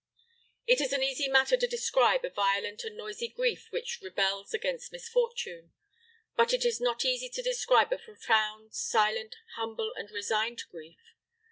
It is an easy matter to describe a violent and noisy grief which rebels against misfortune; but it is not easy to describe a profound, silent, humble, and resigned grief.